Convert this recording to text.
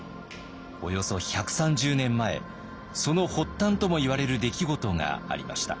およそ１３０年前その発端ともいわれる出来事がありました。